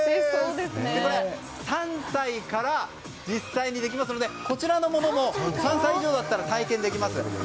これ、３歳から実際にできますのでこちらのものも３歳以上だったら体験できます。